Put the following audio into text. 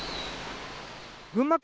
群馬県